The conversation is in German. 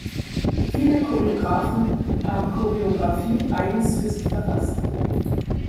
Viele Choreografen haben Choreografien eigens für sie verfasst.